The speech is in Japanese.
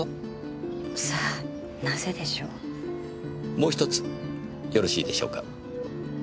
もう１つよろしいでしょうか？